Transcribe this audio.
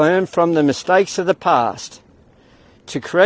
untuk belajar dari kesalahan masa lalu